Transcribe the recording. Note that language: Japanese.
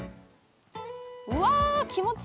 うわ気持ちいい！